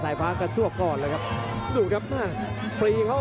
พยายามจะไถ่หน้านี่ครับการต้องเตือนเลยครับ